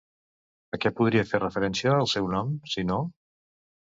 A què podria fer referència el seu nom, si no?